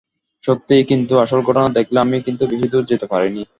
সত্যি, কিন্তু আসল ঘটনা দেখলে, আমি কিন্তু বেশি দূর যেতে পারিনি।